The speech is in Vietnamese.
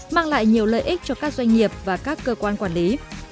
mang lại nhiều lợi ích cho các doanh nghiệp và các cơ quan quản lý